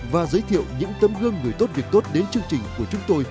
và giới thiệu những tấm gương người tốt việc tốt đến chương trình của chúng tôi